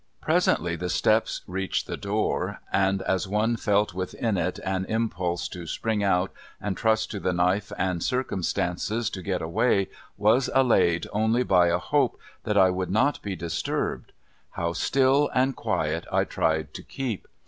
Presently the steps reached the door, and as one fell within it an impulse to spring out and trust to the knife and circumstances to get away was allayed only by a hope that I would not be disturbed. How still and quiet I tried to keep.